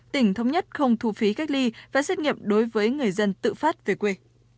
tỉnh thống nhất không thu phí cách ly và xét nghiệm đối với người dân tự phát về quê